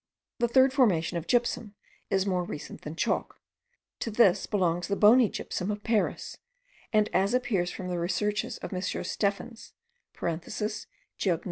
The third formation of gypsum is more recent than chalk. To this belongs the bony gypsum of Paris; and, as appears from the researches of Mr. Steffens (Geogn.